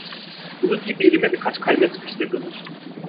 Bunu deyip elime birkaç kayme sıkıştırdılar.